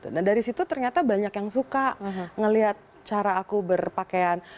nah dari situ ternyata banyak yang suka ngelihat cara aku berpakaian